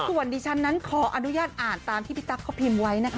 ส่วนดิฉันนั้นขออนุญาตอ่านตามที่พี่ตั๊กเขาพิมพ์ไว้นะคะ